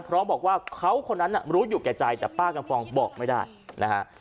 เพราะบอกว่าเขาคนนั้นน่ะรู้อยู่แก่ใจแต่ป้ากำฟองบอกไม่ได้นะฮะ